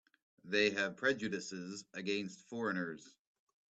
They have prejudices against foreigners.